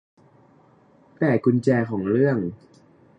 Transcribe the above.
แต่กุญแจของเรื่อง